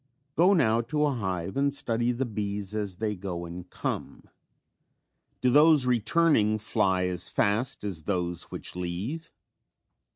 ] Go now to a hive and study the bees as they go and come. Do those returning fly as fast as those which leave?